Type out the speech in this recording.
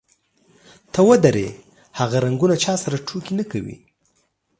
ته ودرې، هغه رنګونه چا سره ټوکې نه کوي.